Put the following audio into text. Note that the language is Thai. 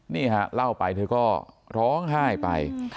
นี่ฮะเล่าไปเธอก็ร้องไห้ไป